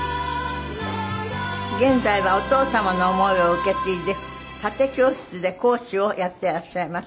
現在はお父様の思いを受け継いで殺陣教室で講師をやっていらっしゃいます。